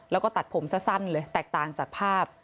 แล้วก็ตัดผมสั้นเลยแตกต่างจากภาพ